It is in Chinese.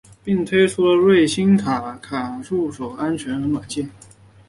并推出了瑞星卡卡助手安全辅助软件。